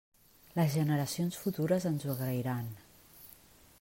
Les generacions futures ens ho agrairan.